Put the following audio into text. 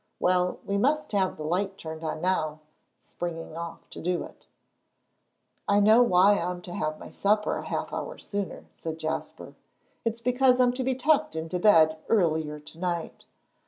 Well, we must have the light turned on now," springing off to do it. "I know why I'm to have my supper a half hour sooner," said Jasper; "it's because I'm to be tucked into bed earlier to night.